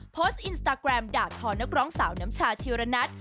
โพสต์อินสตาแกรมด่าทอนักร้องสาวน้ำชาชีระนัท